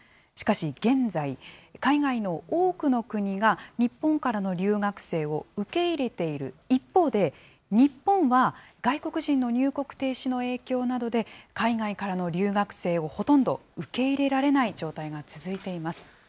しかし、現在、海外の多くの国が、日本からの留学生を受け入れている一方で、日本は外国人の入国停止の影響などで、海外からの留学生をほとんど受け入れられない状態が続いています。